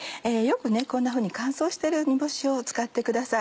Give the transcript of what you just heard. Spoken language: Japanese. こんなふうに乾燥してる煮干しを使ってください。